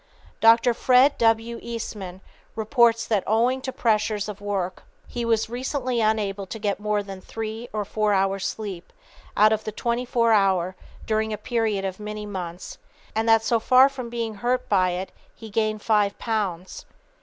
Dr. Fred W. Eastman reports that owing to pressure of work he was recently unable to get more than three or four hours' sleep out of the twenty four during a period of many months, and that so far from being hurt by it he gained five pounds.